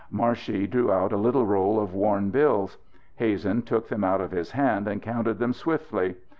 Marshey drew out a little roll of worn bills. Hazen took them out of his hand and counted them swiftly.